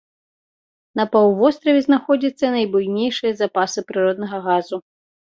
На паўвостраве знаходзяцца найбуйнейшыя запасы прыроднага газу.